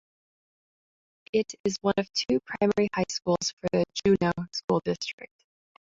It is one of two primary high schools for the Juneau School District.